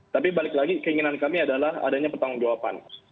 tapi balik lagi keinginan kami adalah adanya pertanggung jawaban